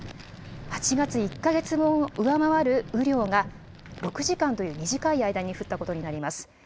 ８月１か月分を上回る雨量が、６時間という短い間に降ったことになります。